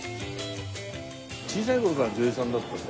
小さい頃から女優さんだったんだよね？